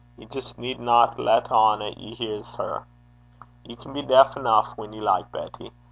Ye jist needna lat on 'at ye hear her. Ye can be deif eneuch when ye like, Betty.